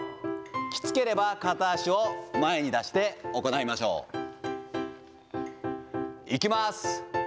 きつければ、片足を前に出して行いましょう。いきます。